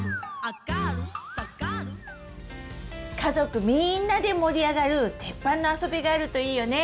家族みんなで盛り上がるテッパンのあそびがあるといいよね！